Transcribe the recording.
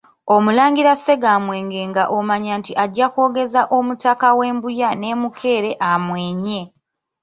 Omulangira Ssegaamwenge nga omanya nti ajja kwogeza omutaka w'e Mbuya ne Mukeere amwenye !